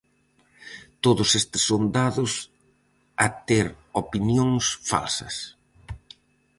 Todos estes son dados a ter opinións falsas.